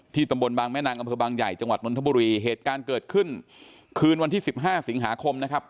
ตำบลบางแม่นางอำเภอบางใหญ่จังหวัดนทบุรีเหตุการณ์เกิดขึ้นคืนวันที่สิบห้าสิงหาคมนะครับ